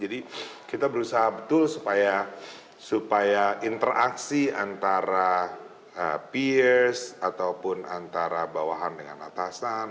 jadi kita berusaha betul supaya interaksi antara peers ataupun antara bawahan dengan atasan